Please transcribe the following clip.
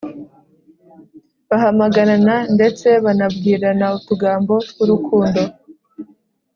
bahamagarana ndetse banabwirana utugambo tw’urukundo.